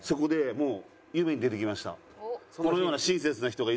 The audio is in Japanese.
もう。